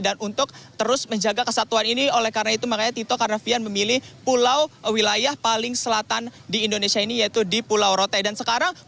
dan untuk terus menjaga kesatuan ini oleh karena itu makanya tito karnavian memilih pulau wilayah paling selatan di indonesia ini yaitu di pulau rote